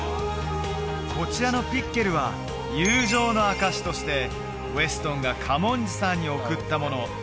こちらのピッケルは友情の証しとしてウェストンが嘉門次さんに贈ったもの